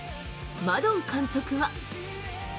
マドン監督は。